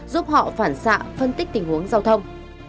giúp họ phản xạ phân tích tình huống giao thông